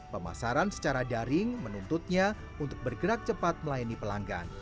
pemasaran secara daring menuntutnya untuk bergerak cepat melayani pelanggan